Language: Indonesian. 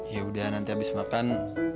yaudah nanti abis makan